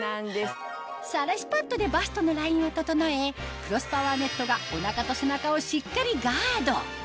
さらしパッドでバストのラインを整えクロスパワーネットがお腹と背中をしっかりガード